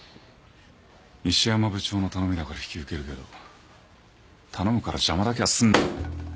石山部長の頼みだから引き受けるけど頼むから邪魔だけはすんな！